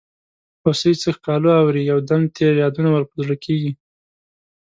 هوسۍ څه ښکالو اوري یو دم تېر یادونه ور په زړه کیږي.